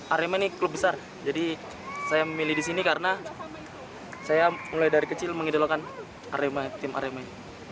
arema ini klub besar jadi saya memilih di sini karena saya mulai dari kecil mengidolakan tim arema ini